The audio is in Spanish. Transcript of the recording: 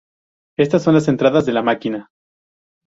Estas son las entradas de la máquina.